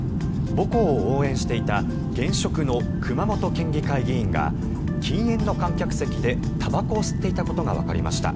母校を応援していた現職の熊本県議会議員が禁煙の観客席でたばこを吸っていたことがわかりました。